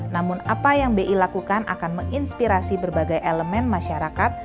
namun apa yang bi lakukan akan menginspirasi berbagai elemen masyarakat